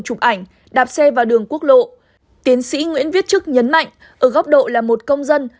chụp ảnh đạp xe vào đường quốc lộ tiến sĩ nguyễn viết chức nhấn mạnh ở góc độ là một công dân